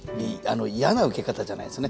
嫌なウケ方じゃないんですね。